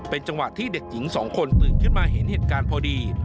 เป็นจังหวะที่เด็กหญิงสองคนตื่นขึ้นมาเห็นเหตุการณ์พอดี